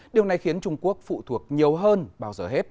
điều này khiến trung quốc phụ thuộc nhiều hơn bao giờ hết